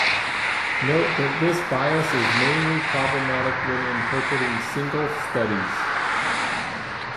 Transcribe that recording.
Note that this bias is mainly problematic when interpreting single studies.